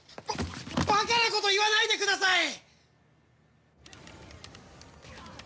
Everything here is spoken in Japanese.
ババカなこと言わないでください！